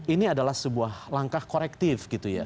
ini adalah sebuah langkah korektif gitu ya